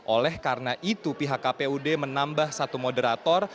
oleh karena itu pihak kpud menambah satu moderator